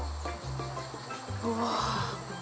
うわ。